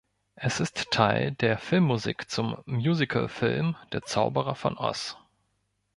Es ist Teil der Filmmusik zum Musicalfilm "Der Zauberer von Oz".